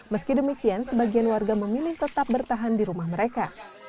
meski demikian sebagian warga memilih tetap bertahan di rumah mereka